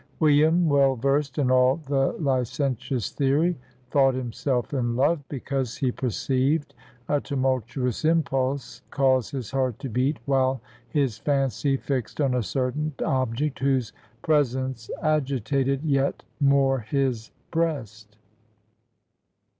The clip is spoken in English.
William, well versed in all the licentious theory, thought himself in love, because he perceived a tumultuous impulse cause his heart to beat while his fancy fixed on a certain object whose presence agitated yet more his breast.